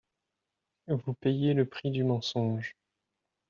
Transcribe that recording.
Vous payez le prix du mensonge